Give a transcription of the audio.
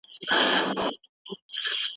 وضعیت ته روان یو، داسي حالت ته چي نه یوازي